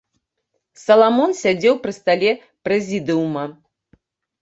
Саламон сядзеў пры стале прэзідыума.